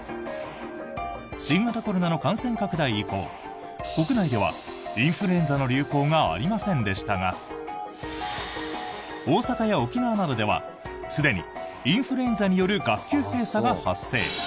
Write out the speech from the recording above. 新型コロナの感染拡大以降国内ではインフルエンザの流行がありませんでしたが大阪や沖縄などではすでにインフルエンザによる学級閉鎖が発生。